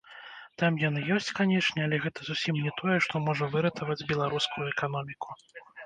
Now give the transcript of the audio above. Там яны ёсць, канешне, але гэта зусім не тое, што можа выратаваць беларускую эканоміку.